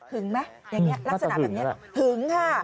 หึงไหมลักษณะแบบนี้หึงค่ะ